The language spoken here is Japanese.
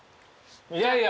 いやいや。